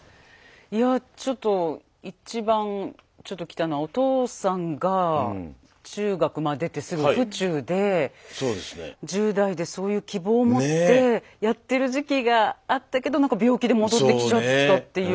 いやちょっと一番ちょっときたのはお父さんが中学出てすぐ府中で１０代でそういう希望を持ってやってる時期があったけどなんか病気で戻ってきちゃったっていう。